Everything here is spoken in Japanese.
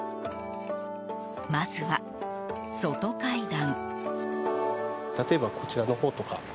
まずは、外階段。